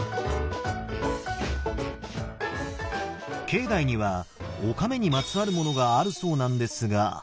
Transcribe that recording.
境内にはおかめにまつわるものがあるそうなんですが。